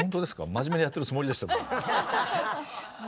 真面目にやってるつもりでしたけど。